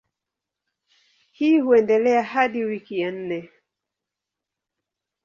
Hii huendelea hadi wiki ya nne.